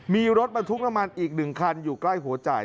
มีรถบรรทุกน้ำมันอีก๑คันอยู่ใกล้หัวจ่าย